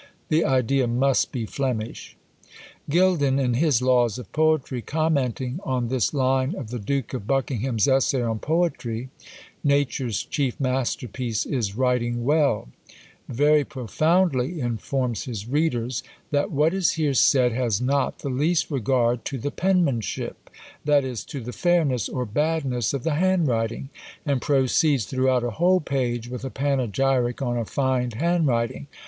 The idea must be Flemish! Gildon, in his "Laws of Poetry," commenting on this line of the Duke of Buckingham's "Essay on Poetry," Nature's chief masterpiece is writing well: very profoundly informs his readers "That what is here said has not the least regard to the penmanship, that is, to the fairness or badness of the handwriting," and proceeds throughout a whole page, with a panegyric on a fine handwriting!